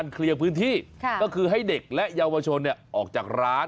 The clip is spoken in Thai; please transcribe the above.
ก็คือให้เด็กและเยาวชนเนี่ยออกจากร้าน